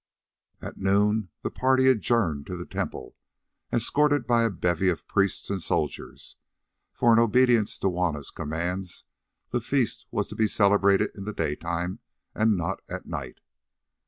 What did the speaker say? At noon the party adjourned to the temple, escorted by a bevy of priests and soldiers, for in obedience to Juanna's commands the feast was to be celebrated in the daytime and not at night.